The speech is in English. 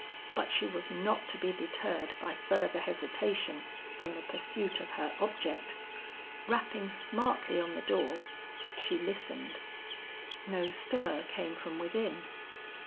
But she was not to be deterred by further hesitation from the pursuit of her object. Rapping smartly on the door, she listened. No stir came from within.